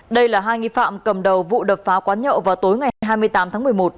đây là hai nghi phạm cầm đầu vụ đập phá quán nhậu vào tối ngày hai mươi tám tháng một mươi một